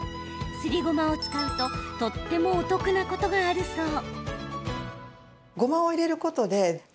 すりごまを使うととってもお得なことがあるそう。